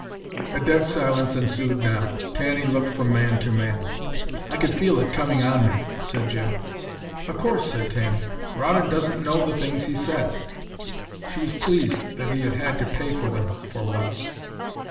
A dead silence ensued now. Tanny looked from man to man. "I could feel it coming on me," said Jim. "Of course!" said Tanny. "Rawdon doesn't know the things he says." She was pleased that he had had to pay for them, for once.